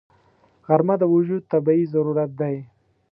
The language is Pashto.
غرمه د وجود طبیعي ضرورت دی